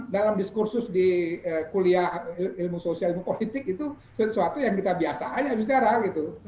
dalam diskursus di kuliah ilmu sosial ilmu politik itu sesuatu yang kita biasa aja bicara gitu